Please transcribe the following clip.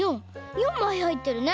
４まいはいってるね。